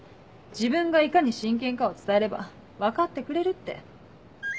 自分がいかに真剣かを伝えれば分かってくれるって。